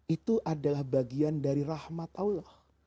itu adalah bagian dari rahmat allah